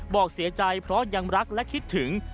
บอกเสียใจเพราะยังรักและคิดถึง